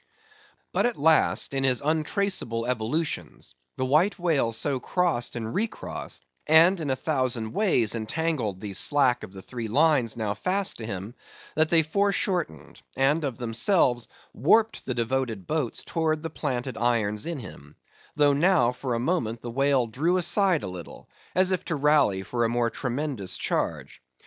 But at last in his untraceable evolutions, the White Whale so crossed and recrossed, and in a thousand ways entangled the slack of the three lines now fast to him, that they foreshortened, and, of themselves, warped the devoted boats towards the planted irons in him; though now for a moment the whale drew aside a little, as if to rally for a more tremendous charge.